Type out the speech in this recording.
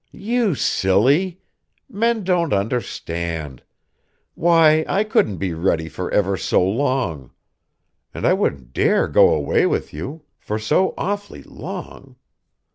"You silly! Men don't understand. Why, I couldn't be ready for ever so long. And I wouldn't dare go away with you. For so awfully long.